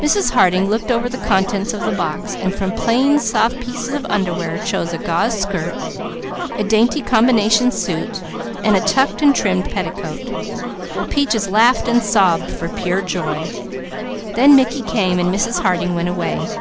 Mrs. Harding looked over the contents of the box and from plain soft pieces of underwear chose a gauze shirt, a dainty combination suit and a tucked and trimmed petticoat, while Peaches laughed and sobbed for pure joy. Then Mickey came, and Mrs. Harding went away.